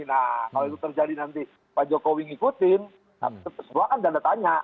nah kalau itu terjadi nanti pak jokowi ngikutin semua kan dana tanya